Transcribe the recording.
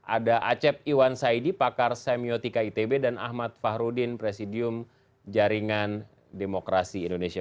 ada asep iwan saidy pakar semiotika itb dan ahmad fahruddin presidium jaringan demokrasi indonesia